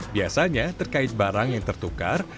biasanya terkait barang yang tertukar